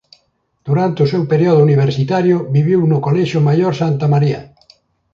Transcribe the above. Durante o seu período universitario viviu no Colexio Maior Santa María.